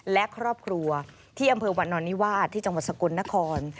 และครอบครัวที่อำเภอวันนอนนิวาสที่จังหวัดสกลนคร